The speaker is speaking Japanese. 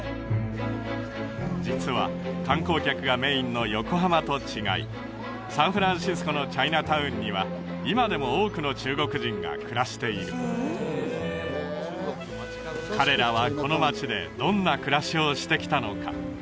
実は観光客がメインの横浜と違いサンフランシスコのチャイナタウンには今でも多くの中国人が暮らしている彼らはこの街でどんな暮らしをしてきたのか？